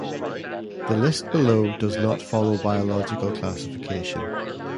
The list below does not follow biological classification.